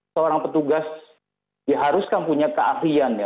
seorang petugas ya harus kan punya keahlian ya